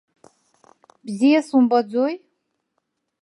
Бзиа сумбаӡои?